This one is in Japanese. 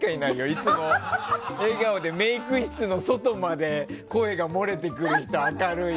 いつも笑顔でメイク室の外まで明るい声が漏れてくる人。